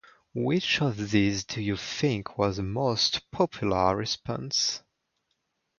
Which of these do you think was the most popular response?